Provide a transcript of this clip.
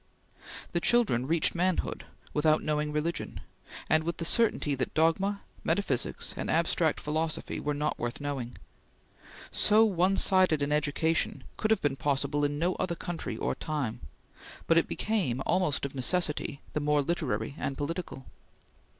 The children reached manhood without knowing religion, and with the certainty that dogma, metaphysics, and abstract philosophy were not worth knowing. So one sided an education could have been possible in no other country or time, but it became, almost of necessity, the more literary and political.